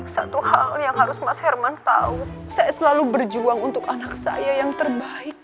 satu hal yang harus mas herman tahu saya selalu berjuang untuk anak saya yang terbaik